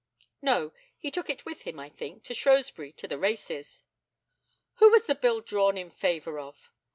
No, he took it with him, I think, to Shrewsbury, to the races. Who was the bill drawn in favour of?